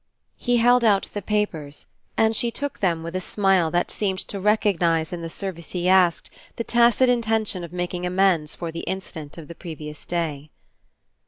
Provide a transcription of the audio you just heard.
He held out the papers and she took them with a smile that seemed to recognize in the service he asked the tacit intention of making amends for the incident of the previous day.